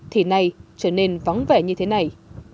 thì nay trở nên vắng vẻ như thế này